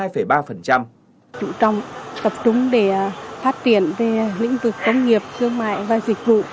trú trọng tập trung để phát triển về lĩnh vực công nghiệp thương mại và dịch vụ